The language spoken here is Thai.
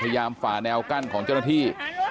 ฝ่าแนวกั้นของเจ้าหน้าที่